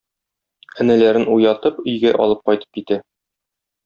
Энеләрен уятып өйгә алып кайтып китә.